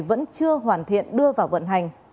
vẫn chưa hoàn thiện đưa vào vận hành